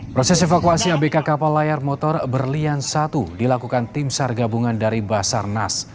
proses evakuasi abk kapal layar motor berlian satu dilakukan tim sar gabungan dari basarnas